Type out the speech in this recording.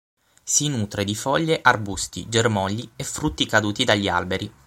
Si nutre di foglie, arbusti, germogli e frutti caduti dagli alberi.